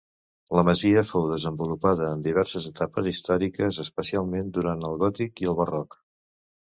La masia fou desenvolupada en diverses etapes històriques, especialment durant el gòtic i el barroc.